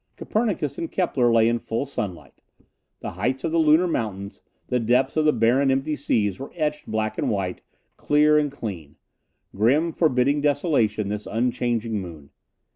Copernicus and Kepler lay in full sunlight. The heights of the lunar mountains, the depths of the barren, empty seas were etched black and white, clear and clean. Grim, forbidding desolation, this unchanging moon!